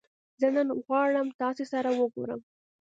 زه نن ورځ غواړم تاسې سره وګورم